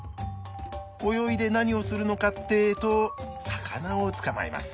泳いで何をするのかってと魚を捕まえます。